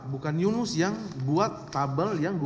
bukan yunus yang buat tabel yang dua ribu dua puluh tiga